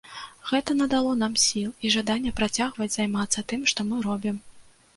Гэта надало нам сіл і жадання працягваць займацца тым, што мы робім.